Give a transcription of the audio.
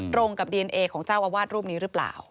ตรงกับดีเอนเอของเจ้าอาวาสรูปนี้หรือเปล่า